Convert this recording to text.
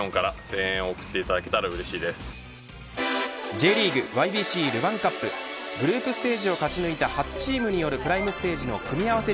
ＪリーグＹＢＣルヴァンカップグループステージを勝ち抜いた８チームによるプライムステージの組み合わせ